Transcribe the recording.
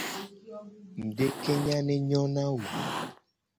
Ngudekenye a ne nyo na wo.